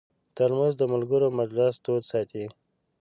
ترموز د ملګرو مجلس تود ساتي.